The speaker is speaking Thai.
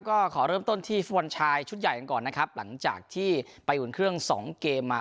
ก็ขอเริ่มต้นที่ฟุตบอลชายชุดใหญ่กันก่อนนะครับหลังจากที่ไปอุ่นเครื่องสองเกมมา